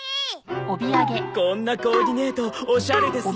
こんなコーディネートオシャレですよ。